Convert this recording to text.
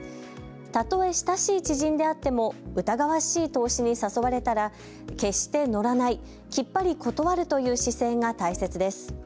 たとえ親しい知人であっても疑わしい投資に誘われたら決して乗らない、きっぱり断るという姿勢が大切です。